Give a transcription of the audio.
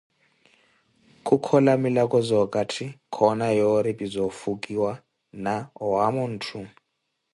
Kukhola milako za okatti, koona yoori pi za ofukiwa na awaamo atthu.